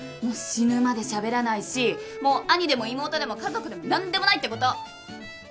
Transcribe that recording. もう死ぬまでしゃべらないしもう兄でも妹でも家族でも何でもないってこと。